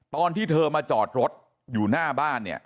ตอนที่เธอมาจอดรถอยู่หน้าบ้านเนี่ย